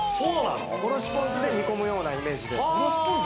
おろしポン酢で煮込むようなイメージで。